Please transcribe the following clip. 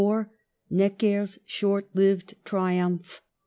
necker's short lived triumph.